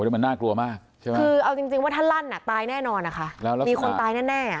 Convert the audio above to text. มันน่ากลัวมากคือเอาจริงว่าถ้าลั่นตายแน่นอนค่ะมีคนตายแน่